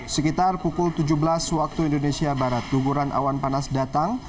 sekitar pukul tujuh belas waktu indonesia barat guguran awan panas datang